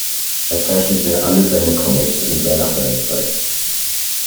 Er zeichnet alle seine Comics in seiner Freizeit.